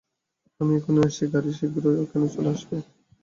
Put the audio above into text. আমি এখনই আসছি গাড়ি শীঘ্রই এখানে চলে আসবে।